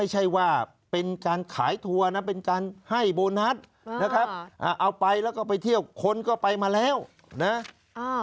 ให้โบนัสนะครับอ่าเอาไปแล้วก็ไปเที่ยวคนก็ไปมาแล้วน่ะอ่า